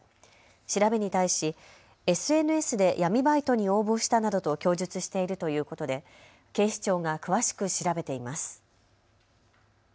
調べに対しＳＮＳで闇バイトに応募したなどと供述しているということで警視庁が詳しく調べています。